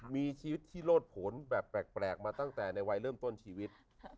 มีชีวิตที่โลดผลแบบแปลกมาตั้งแต่ในวัยเริ่มต้นชีวิต